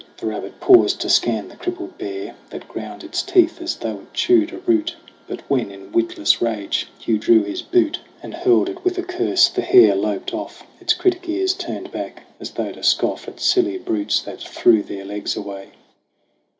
The rabbit paused to scan the crippled bear That ground its teeth as though it chewed a root. But when, in witless rage, Hugh drew his boot 54 SONG OF HUGH GLASS And hurled it with a curse, the hare loped off, Its critic ears turned back, as though to scoff At silly brutes that threw their legs away.